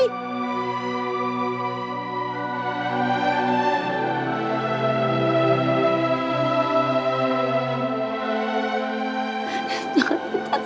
jangan dipecah saya bu